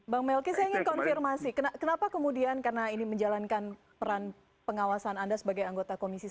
bang melki saya ingin konfirmasi kenapa kemudian karena ini menjalankan peran pengawasan anda sebagai anggota komisi satu